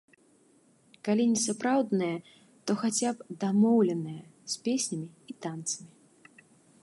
Калі не сапраўднае, то хаця б дамоўленае, з песнямі і танцамі.